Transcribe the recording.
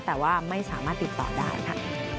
แต่ว่าไม่สามารถติดต่อได้ค่ะ